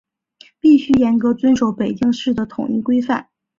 必须严格遵守北京市的统一规范